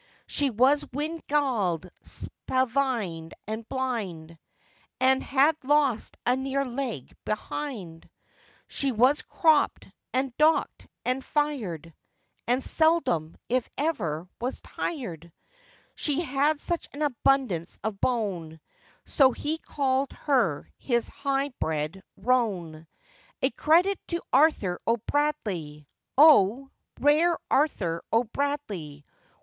She was wind galled, spavined, and blind, And had lost a near leg behind; She was cropped, and docked, and fired, And seldom, if ever, was tired, She had such an abundance of bone; So he called her his high bred roan, A credit to Arthur O'Bradley! O! rare Arthur O'Bradley!